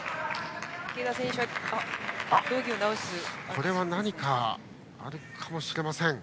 これは何かあるかもしれません。